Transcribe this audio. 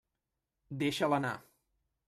Deixa'l anar.